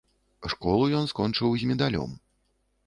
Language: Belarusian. Школу ён скончыў з медалём.